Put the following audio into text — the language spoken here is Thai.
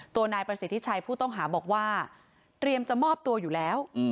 ตัวนายประสิทธิชัยผู้ต้องหาบอกว่าเตรียมจะมอบตัวอยู่แล้ว